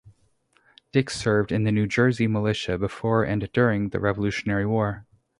Dick served in the New Jersey militia before and during the Revolutionary War.